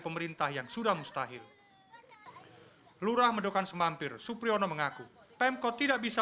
pemerintah yang sudah mustahil lurah medokan semampir supriyono mengaku pemkot tidak bisa